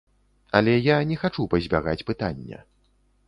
Але я не хачу пазбягаць пытання.